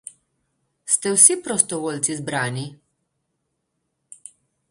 Ste vsi prostovoljci zbrani?